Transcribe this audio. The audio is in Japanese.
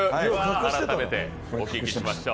改めてお聞きしましょう。